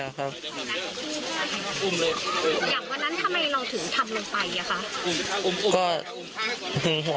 อันนั้นทำไมน่าถึงทำนำไป